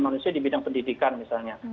manusia di bidang pendidikan misalnya